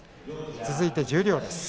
続いて十両です。